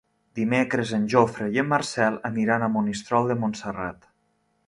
Dimecres en Jofre i en Marcel aniran a Monistrol de Montserrat.